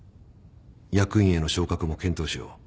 役員への昇格も検討しよう。